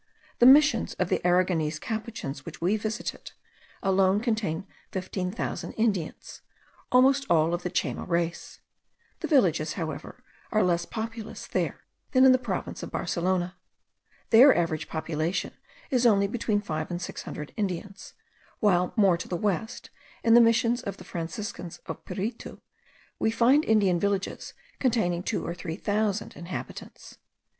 The Missions of the Aragonese Capuchins which we visited, alone contain fifteen thousand Indians, almost all of the Chayma race. The villages, however, are less populous there than in the province of Barcelona. Their average population is only between five or six hundred Indians; while more to the west, in the Missions of the Franciscans of Piritu, we find Indian villages containing two or three thousand inhabitants.